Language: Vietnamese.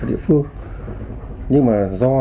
ở địa phương nhưng mà do